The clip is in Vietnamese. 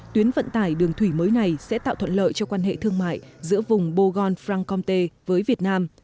tuyến vận tải đường thủy mới này sẽ tạo thuận lợi cho quan hệ thương mại giữa vùng bogon francomte với việt nam